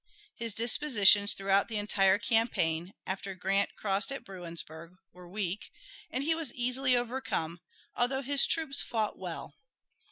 His dispositions throughout the entire campaign, after Grant crossed at Bruinsburg, were weak, and he was easily overcome, although his troops fought well.